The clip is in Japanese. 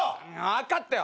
分かったよ。